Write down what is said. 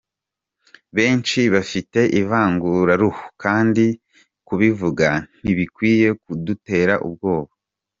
Benshi bafite ivanguraruhu kandi kubivuga ntibikwiye kudutera ubwoba.